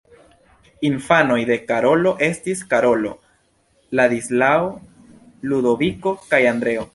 Infanoj de Karolo estis Karolo, Ladislao, Ludoviko kaj Andreo.